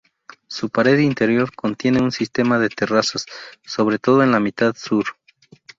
Su pared interior contiene un sistema de terrazas, sobre todo en la mitad sur.